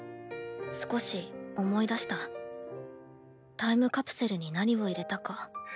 少し思い出したタイムカプセルに何を入れたか。